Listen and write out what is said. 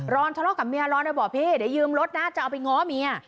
อนทะเลาะกับเมียร้อนเลยบอกพี่เดี๋ยวยืมรถนะจะเอาไปง้อเมีย